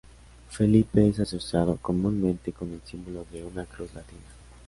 Felipe es asociado comúnmente con el símbolo de una cruz latina.